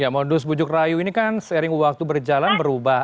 modus bujuk rayu ini kan seiring waktu berjalan berubah